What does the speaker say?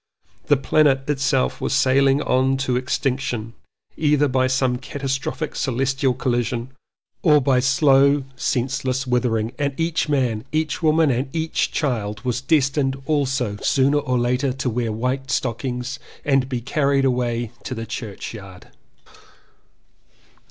The planet itself was sailing on to extinction either by some catastrophic celestial collision or by slow senseless withering, and each man, each woman and each child was destined also sooner or later to wear white stockings and be carried away to the church yard.